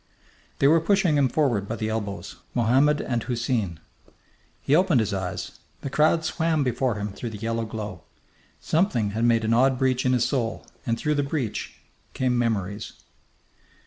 They were pushing him forward by the elbows, Mohammed and Houseen. He opened his eyes. The crowd swam before him through the yellow glow. Something had made an odd breach in his soul, and through the breach came memories.